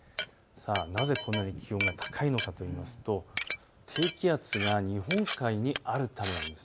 なぜこんなに気温が高いのかといいますと低気圧が日本海にあるためなんです。